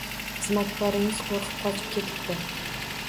Xizmatkoringiz qo‘rqib qochib ketibdi